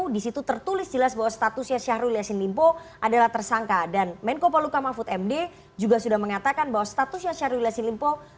di situ tertulis jelas bahwa statusnya syahrul yassin limpo adalah tersangka dan menko paluka mahfud md juga sudah mengatakan bahwa statusnya syahrul yassin limpo